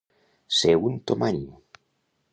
Ser un tomany.